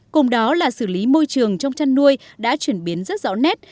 cùng đó là xử lý môi trường trong chăn nuôi đã chuyển biến rất rõ nét